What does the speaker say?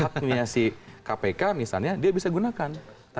haknya si kpk misalnya dia bisa gunakan